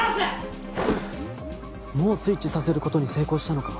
もうスイッチさせる事に成功したのか。